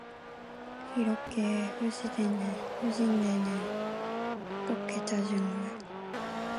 이렇게 후진데는 어떻게 찾은거야?